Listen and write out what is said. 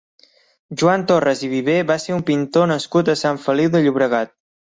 Joan Torras i Viver va ser un pintor nascut a Sant Feliu de Llobregat.